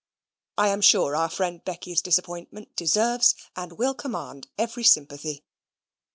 I am sure our friend Becky's disappointment deserves and will command every sympathy.